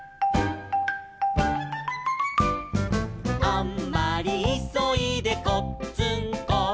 「あんまりいそいでこっつんこ」